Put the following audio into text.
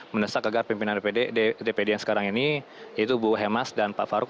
mendesak agar pimpinan dpd yang sekarang ini yaitu bu hemas dan pak faruk